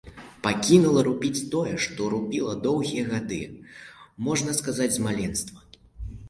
Пакінула рупіць тое, што рупіла доўгія гады, можна сказаць з маленства.